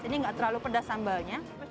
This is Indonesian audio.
ini nggak terlalu pedas sambalnya